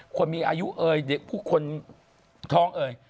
คนมีอายุเอ่ยเด็กผู้คนท้องเอ่ย